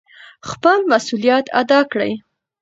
خپل مسؤلیت ادا کړئ.